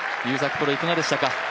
プロ、いかがですか？